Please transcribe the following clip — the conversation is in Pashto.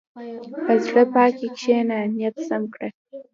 په زړه پاکۍ کښېنه، نیت سم کړه.